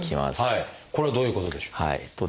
これはどういうことでしょう？